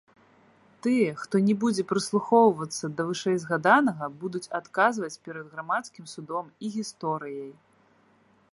Тыя, хто не будзе прыслухоўвацца да вышэйзгаданага, будуць адказваць перад грамадскім судом і гісторыяй.